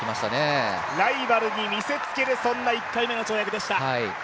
ライバルに見せつける、そんな１回目の跳躍でした。